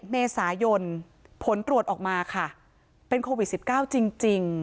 เมษายนผลตรวจออกมาค่ะเป็นโควิด๑๙จริง